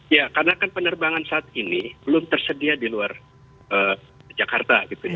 ya karena kan penerbangan saat ini belum tersedia di luar jakarta gitu ya